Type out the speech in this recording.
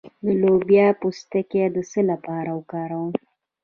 د لوبیا پوستکی د څه لپاره وکاروم؟